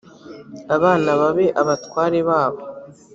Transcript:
abana babe abatware babo